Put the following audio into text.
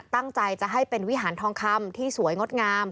ตั้งใจจะให้เป็นวิหารทองคำที่สวยงดงาม